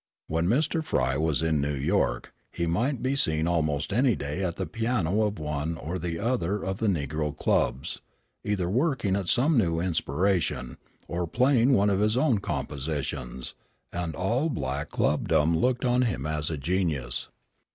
When Mr. Frye was in New York, he might be seen almost any day at the piano of one or the other of the negro clubs, either working at some new inspiration, or playing one of his own compositions, and all black clubdom looked on him as a genius.